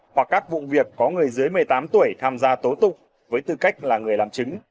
hoặc các vụ việc có người dưới một mươi tám tuổi tham gia tố tục với tư cách là người làm chứng